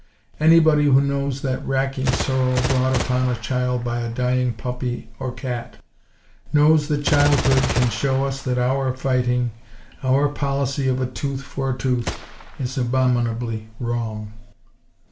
Anybody who knows that wracking sorrow brought upon a child by a dying puppy or cat, knows that childhood can show us that our fighting, our policy of "a tooth for a tooth," is abominably wrong.